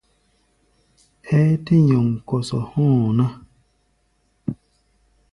Ɛ́ɛ́ tɛ́ nyɔŋ kɔsɔ hɔ̧́ɔ̧ ná.